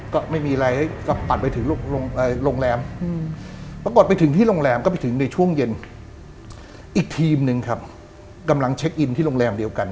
ก็ไม่มีอะไรก็ปัดไปถึงโรงแรมปรากฏไปถึงที่โรงแรมก็ไปถึงในช่วงเย็นอีกทีมหนึ่งครับกำลังเช็คอินที่โรงแรมเดียวกัน